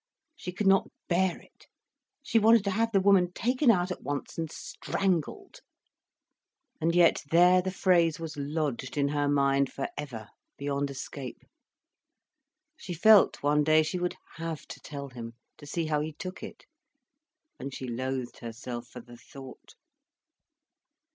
She could not bear it, she wanted to have the woman taken out at once and strangled. And yet there the phrase was lodged in her mind for ever, beyond escape. She felt, one day, she would have to tell him, to see how he took it. And she loathed herself for the thought.